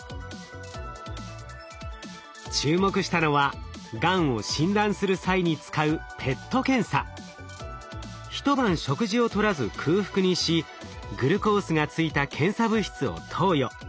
注目したのはがんを診断する際に使う一晩食事をとらず空腹にしグルコースがついた検査物質を投与。